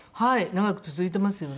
長く続いてますよね。